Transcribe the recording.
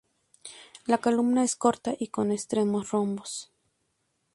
La columna es corta y con extremos romos.